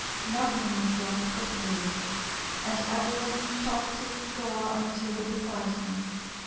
Nothing was drunk but ale, and every one chalked his score on the table beside him.